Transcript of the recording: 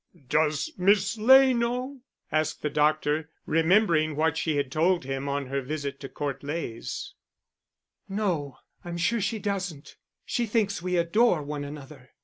"Does Miss Ley know?" asked the doctor, remembering what she had told him on her visit to Court Leys. "No, I'm sure she doesn't. She thinks we adore one another.